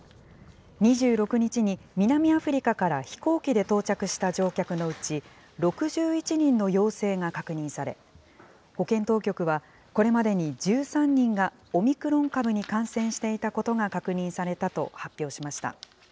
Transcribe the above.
２６日に南アフリカから飛行機で到着した乗客のうち６１人の陽性が確認され、保健当局はこれまでに１３人がオミクロン株に感染していたことが確認されたと発表しました。